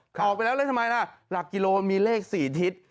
ออกไปแล้วแล้วทำไมล่ะหลักกิโลมีเลข๔ทิศ